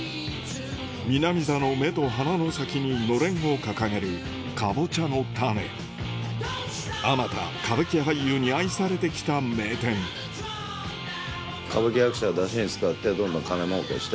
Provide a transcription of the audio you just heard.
南座の目と鼻の先にのれんを掲げるあまた歌舞伎俳優に愛されてきた名店歌舞伎役者をだしに使ってどんどん金もうけして。